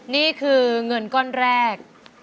นี่คือเงินก้อนแรก